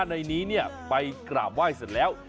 ในนี้ไปกราบไหว้เสร็จแล้ว